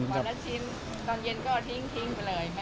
วันละชิ้นตอนเย็นก็ทิ้งไปเลย